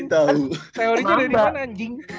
teorinya dari mana anjing